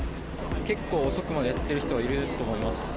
結構、遅くまでやってる人はいると思います。